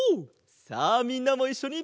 さあみんなもいっしょに！